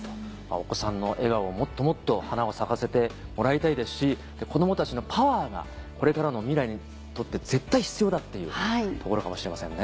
お子さんの笑顔をもっともっと花を咲かせてもらいたいですし子どもたちのパワーがこれからの未来にとって絶対必要だっていうところかもしれませんね。